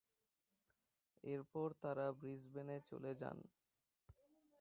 এরপর তারা ব্রিসবেনে চলে যান।